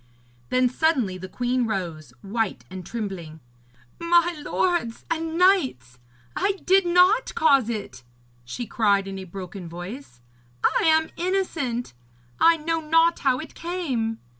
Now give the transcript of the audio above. Then suddenly the queen rose, white and trembling. 'My lords and knights, I did not cause it!' she cried in a broken voice. 'I am innocent! I know not how it came!'